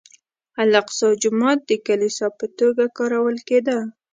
الاقصی جومات د کلیسا په توګه کارول کېده.